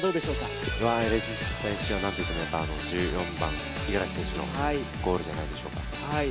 なんといっても１４番の五十嵐選手のゴールではないでしょうか。